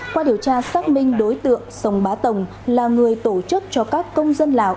qua điều tra xác minh đối tượng sông bá tồng là người tổ chức cho các công dân lào